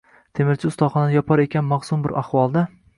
Temirchi ustaxonani yopar ekan mahzun bir ahvolda.